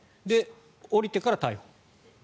降りてから逮捕？